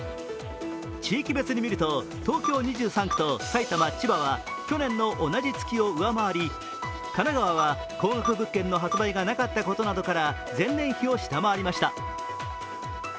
地域別に見ると東京２３区と埼玉、千葉は去年の同じ月を上回り神奈川は高額物件の発売がなかったことなどから前年比を下回りました。